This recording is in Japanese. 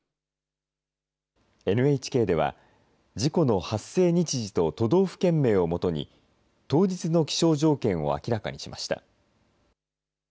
ＮＨＫでは、事故の発生日時と都道府県名を基に、当日の気象条件を明らかにしました。